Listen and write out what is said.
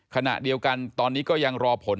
ขณะเดียวกันตอนนี้ก็ยังรอผล